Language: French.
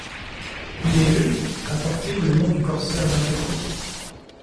Il est le à porter le nom du corsaire dunkerquois.